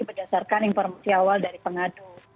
berdasarkan informasi awal dari pengadu